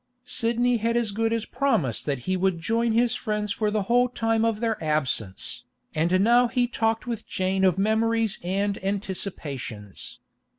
Sidney had as good as promised that he would join his friends for the whole time of their absence, and now he talked with Jane of memories and anticipations.